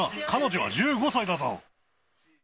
彼女は１５歳だぞ。